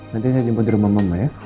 nanti saya jemput di rumah mama ya